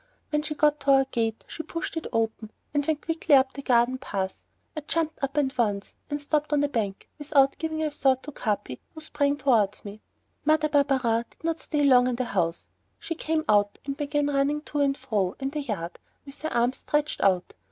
When she got to our gate she pushed it open and went quickly up the garden path. I jumped up at once and stood up on the bank, without giving a thought to Capi, who sprang towards me. Mother Barberin did not stay long in the house. She came out and began running to and fro, in the yard, with her arms stretched out.